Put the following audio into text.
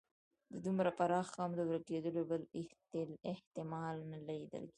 د دومره پراخ قوم د ورکېدلو بل احتمال نه لیدل کېږي.